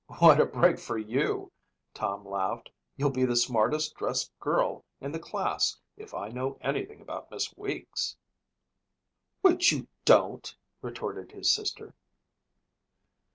"What a break for you," Tom laughed. "You'll be the smartest dressed girl in the class if I know anything about Miss Weeks." "Which you don't!" retorted his sister.